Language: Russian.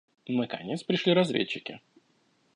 Наконец пришли разведчики.